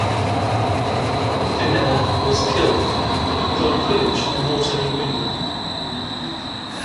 Finnbhennach was killed, Donn Cuailnge mortally wounded.